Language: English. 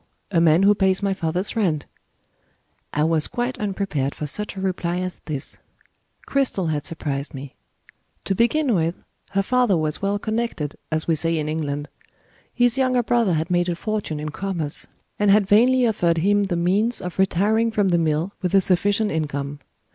A man who pays my father's rent." I was quite unprepared for such a reply as this: Cristel had surprised me. To begin with, her father was "well connected," as we say in England. His younger brother had made a fortune in commerce, and had vainly offered him the means of retiring from the mill with a sufficient income.